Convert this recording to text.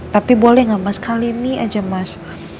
tapi boleh nggak mas kali ini aja mas